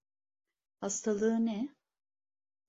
Hastalığı ne?